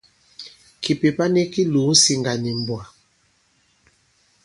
Kìpèpa nik ki lòo ǹsiŋgà nì mbwà.